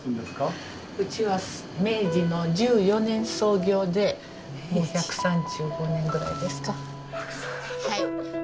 うちは明治の１４年創業でもう１３５年ぐらいですか。